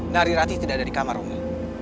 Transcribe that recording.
nari rati tidak ada di kamar romi